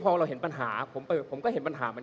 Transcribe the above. คุณเขตรัฐพยายามจะบอกว่าโอ้เลิกพูดเถอะประชาธิปไตย